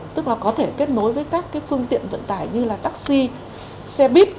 tức là có thể kết nối với các phương tiện vận tải như là taxi xe buýt